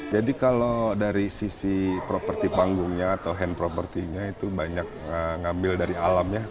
jadi kalau dari sisi properti panggungnya atau hand propertinya itu banyak ngambil dari alamnya